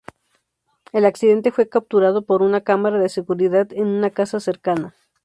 El accidente fue capturado por una cámara de seguridad en una casa cercana.